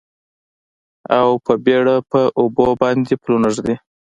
او په بیړه پر اوبو باندې پلونه ږدي